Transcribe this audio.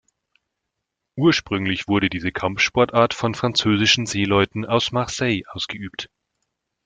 Ursprünglich wurde diese Kampfsportart von französischen Seeleuten aus Marseille ausgeübt.